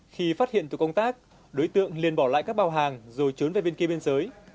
khi phát hiện tổ công tác đối tượng liền bỏ lại các bao hàng rồi trốn về bên kia biên giới